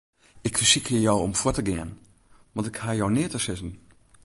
Ik fersykje jo om fuort te gean, want ik haw jo neat te sizzen.